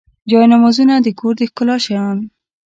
جانمازونه د کور د ښکلا شیان.